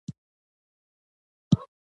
د مطبوعاتو ازادي او د زده کړې حق ورکړل شو.